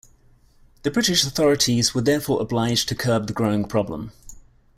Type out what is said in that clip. The British authorities were therefore obliged to curb the growing problem.